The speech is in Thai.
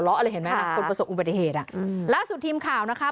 อะไรเห็นไหมล่ะคนประสบอุบัติเหตุอ่ะอืมล่าสุดทีมข่าวนะคะ